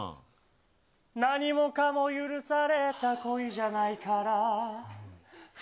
何もかも許された恋じゃないから。